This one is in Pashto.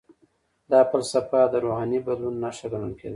دا فلسفه د روحاني بدلون نښه ګڼل کیده.